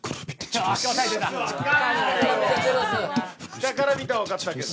「下から見た」は分かったけど。